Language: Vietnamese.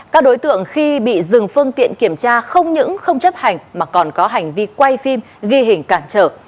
các đối tượng khi bị dừng phương tiện kiểm tra không những không chấp hành mà còn có hành vi quay phim ghi hình cản trở